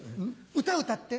歌歌って。